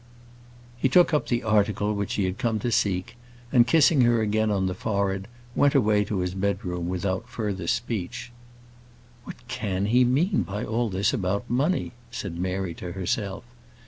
He took up the article which he had come to seek, and kissing her again on the forehead, went away to his bed room without further speech. "What can he mean by all this about money?" said Mary to herself.